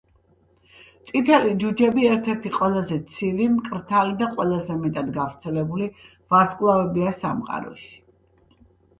წითელი ჯუჯები ერთ-ერთი ყველაზე ცივი, მკრთალი და ყველაზე მეტად გავრცელებული ვარსკვლავებია სამყაროში.